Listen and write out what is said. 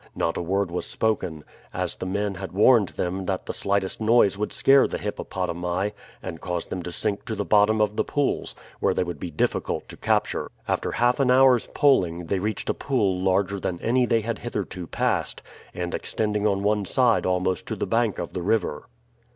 Not a word was spoken, as the men had warned them that the slightest noise would scare the hippopotami and cause them to sink to the bottom of the pools, where they would be difficult to capture. After half an hour's poling they reached a pool larger than any that they had hitherto passed, and extending on one side almost to the bank of the river.